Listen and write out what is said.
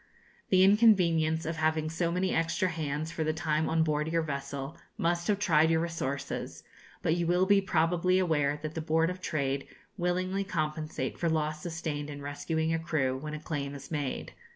The inconvenience of having so many extra hands for the time on board your vessel, must have tried your resources; but you will be probably aware that the Board of Trade willingly compensate for loss sustained in rescuing a crew, when a claim is made.